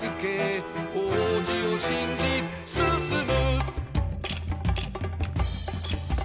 「王子を信じ進む」